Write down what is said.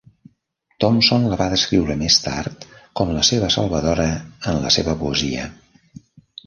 Thompson la va descriure més tard com la seva salvadora en la seva poesia .